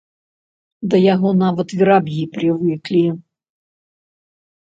Да яго нават вераб'і прывыклі.